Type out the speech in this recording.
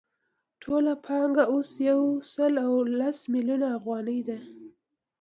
ټوله پانګه اوس یو سل لس میلیونه افغانۍ ده